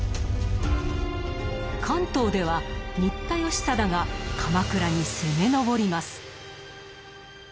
関東では新田義貞が鎌倉に攻め上ります。